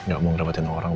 gak mau ngerabatin orang